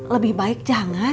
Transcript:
lebih baik jangan